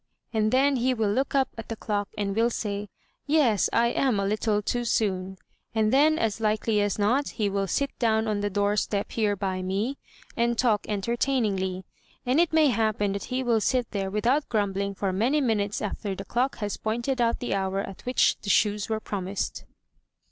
and then he will look up at the clock and will say, 'Yes, I am a little too soon;' and then, as likely as not, he will sit down on the door step here by me and talk entertainingly; and it may happen that he will sit there without grumbling for many minutes after the clock has pointed out the hour at which the shoes were promised.